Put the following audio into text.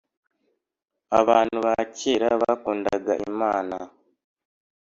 Abantu bakera bakundaga imana.